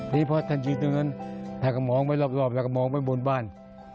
พระท่านยืนตรงนั้นถ้าก็มองไปรอบแล้วก็มองไปบนบ้าน